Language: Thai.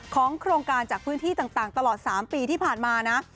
โครงการจากพื้นที่ต่างตลอด๓ปีที่ผ่านมานะ